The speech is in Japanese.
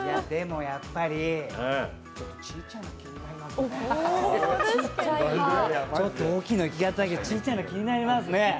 でもやっぱり、ちっちゃいの、気になりますね。